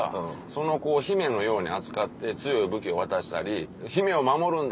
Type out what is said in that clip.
その子を姫のように扱って強い武器を渡したり姫を守るんだ！